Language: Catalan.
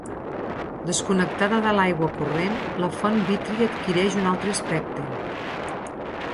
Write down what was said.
Desconnectada de l'aigua corrent la font vítria adquireix un altre aspecte.